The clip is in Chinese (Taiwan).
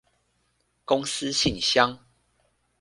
公司信箱